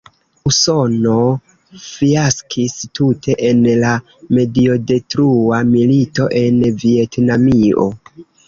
Usono fiaskis tute en la mediodetrua milito en Vjetnamio.